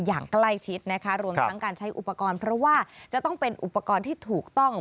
อย่างใกล้ชิดนะคะรวมทั้งการใช้อุปกรณ์เพราะว่าจะต้องเป็นอุปกรณ์ที่ถูกต้อง